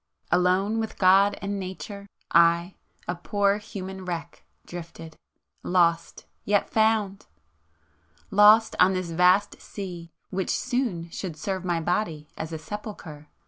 Alone with God and Nature, I, a poor human wreck, drifted,——lost, yet found! Lost on this vast sea which soon should serve my body as a sepulchre, ...